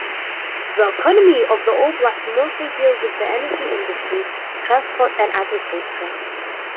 The economy of the oblast mostly deals with the energy industry, transport and agriculture.